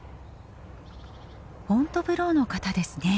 フォントヴローの方ですね。